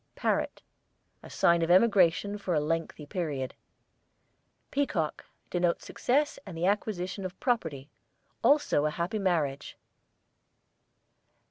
PARROT, a sign of emigration for a lengthy period. PEACOCK, denotes success and the acquisition of property; also a happy marriage.